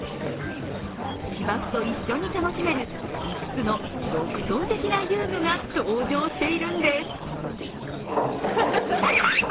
芝生と一緒に楽しめる５つの独創的な遊具が登場しているんです。